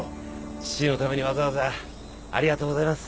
父のためにわざわざありがとうございます。